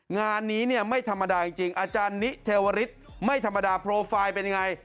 งานนี้เนี่ยไม่ธรรมดาจริงอาจารย์นิเทวริสไม่ธรรมดาโปรไฟล์เป็นยังไง